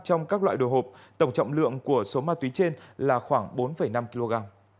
trong các loại đồ hộp tổng trọng lượng của số ma túy trên là khoảng bốn năm kg